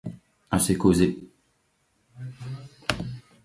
Assez causé!